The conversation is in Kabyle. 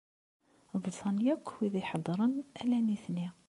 Ḍsan akk wid i iḥedṛen ala nitni.